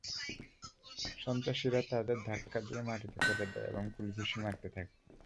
সন্ত্রাসীরা তাঁদের ধাক্কা দিয়ে মাটিতে ফেলে দেয় এবং কিলঘুষি মারতে থাকে।